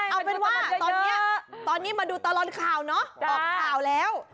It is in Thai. เอาเป็นว่าตอนนี้มาดูตะลอนข่าวเนาะออกข่าวแล้ว